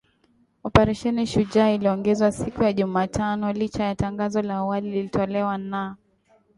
Operesheni Shujaa iliongezwa siku ya Jumatano licha ya tangazo la awali lililotolewa na